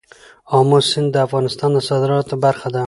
آمو سیند د افغانستان د صادراتو برخه ده.